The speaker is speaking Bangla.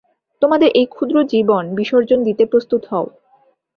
তোমাদের এই ক্ষুদ্র জীবন বিসর্জন দিতে প্রস্তুত হও।